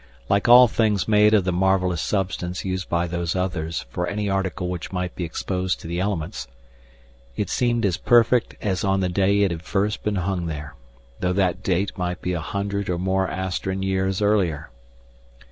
Like all things made of the marvelous substance used by Those Others for any article which might be exposed to the elements, it seemed as perfect as on the day it had first been hung there, though that date might be a hundred or more Astran years earlier.